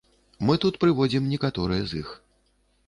Мы тут прыводзім некаторыя з іх.